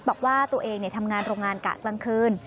บอกว่าตัวเองทำงานโรงงานกะกลางคืน